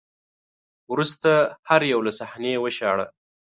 وروسته هر یو له صحنې وشاړه